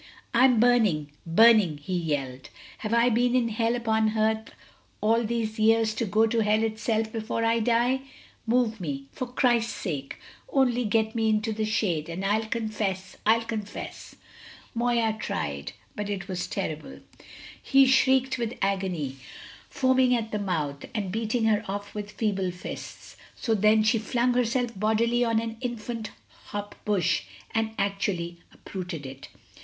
"I'm burning burning!" he yelled. "Have I been in hell upon earth all these years to go to hell itself before I die? Move me, for Christ's sake! Only get me into the shade, and I'll confess I'll confess!" Moya tried; but it was terrible; he shrieked with agony, foaming at the mouth, and beating her off with feeble fists. So then she flung herself bodily on an infant hop bush, and actually uprooted it.